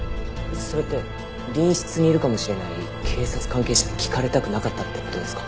それって隣室にいるかもしれない警察関係者に聞かれたくなかったって事ですか？